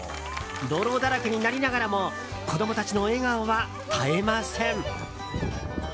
泥だらけになりながらも子供たちの笑顔は絶えません。